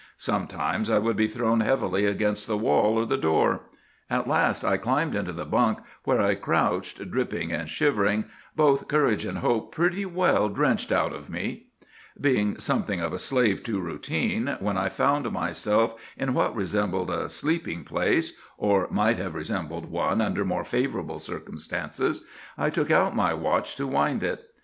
Sometimes I would be thrown heavily against the wall or the door. At last I climbed into the bunk, where I crouched, dripping and shivering, both courage and hope pretty well drenched out of me. "Being something of a slave to routine, when I found myself in what resembled a sleeping place,—or might have resembled one under more favorable circumstances.—I took out my watch to wind it.